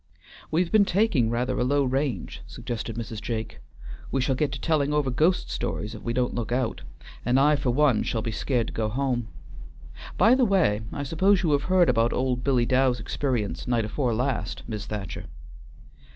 "We've been taking rather a low range," suggested Mrs. Jake. "We shall get to telling over ghost stories if we don't look out, and I for one shall be sca't to go home. By the way, I suppose you have heard about old Billy Dow's experience night afore last, Mis' Thacher?"